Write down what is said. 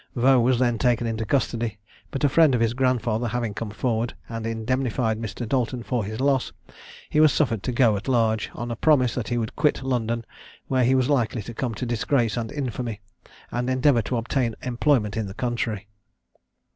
Vaux was then taken into custody; but a friend of his grandfather having come forward, and indemnified Mr. Dalton for his loss, he was suffered to go at large, on a promise that he would quit London, where he was likely to come to disgrace and infamy, and endeavour to obtain employment in the country.